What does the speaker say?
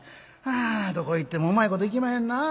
あどこ行ってもうまいこといきまへんな。